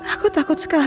aku takut sekarang